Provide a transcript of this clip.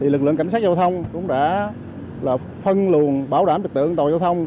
lực lượng cảnh sát giao thông cũng đã phân luồn bảo đảm trật tự an toàn giao thông